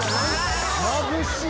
まぶしい！